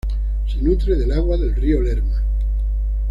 Se nutre del agua del río Lerma.